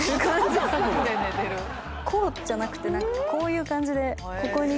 こうじゃなくてこういう感じでここにいて。